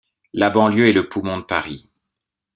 La banlieue est le poumon de Paris.